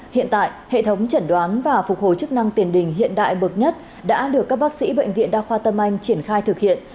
hiện tại hệ thống chẩn đoán và phục hồi chức năng tiền đình hiện đại bậc nhất đã được các bác sĩ bệnh viện đa khoa tâm anh triển khai thực hiện